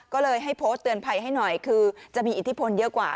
ก็เลยให้โพสต์เตือนภัยให้หน่อยคือจะมีอิทธิพลเยอะกว่า